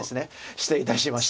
失礼いたしました。